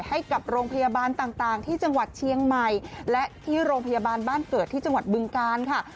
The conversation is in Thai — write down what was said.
ให้กับโรงพยาบาลต่างที่จังหวัดเชียงใหม่และที่โรงพยาบาลบ้านเกิดที่จังหวัดบึงกาลค่ะ